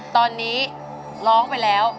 ตอนนี้ร้องไปแล้ว